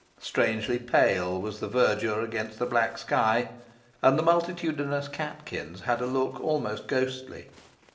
Strangely pale was the verdure against the black sky; and the multitudinous catkins had a look almost ghostly.